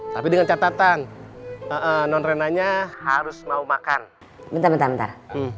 tapi dengan catatan nonrenanya harus mau makan bentar bentar bentar